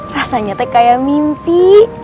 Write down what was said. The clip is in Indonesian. rasanya teh kayak mimpi